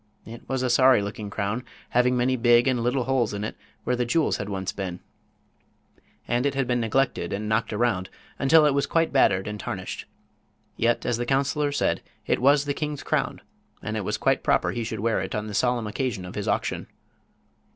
It was a sorry looking crown, having many big and little holes in it where the jewels had once been; and it had been neglected and knocked around until it was quite battered and tarnished. Yet, as the counselor said, it was the king's crown, and it was quite proper he should wear it on the solemn occasion of his auction.